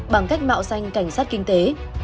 bằng cách mạo xanh cảnh sát kinh tế